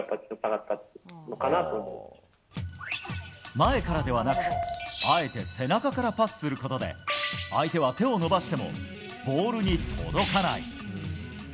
前からではなくあえて背中からパスすることで相手は手を伸ばしてもボールに届かない。